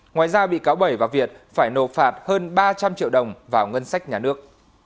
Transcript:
ngoài ra bị cáo bảy và việt phải nộp phạt hơn ba trăm linh triệu đồng vào ngân sách nhà nước